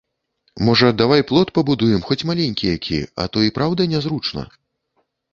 Можа, давай плот пабудуем, хоць маленькі які, а то і праўда нязручна.